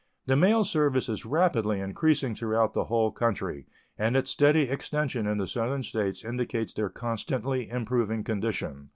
The mail service is rapidly increasing throughout the whole country, and its steady extension in the Southern States indicates their constantly improving condition.